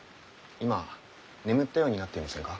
今眠ったようになっていませんか？